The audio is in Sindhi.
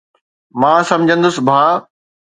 مان سمجهندس ڀاءُ.